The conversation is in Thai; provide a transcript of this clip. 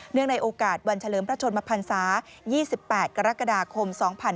ในโอกาสวันเฉลิมพระชนมพันศา๒๘กรกฎาคม๒๕๕๙